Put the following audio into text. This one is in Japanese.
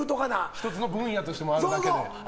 １つの分野としてあるだけで。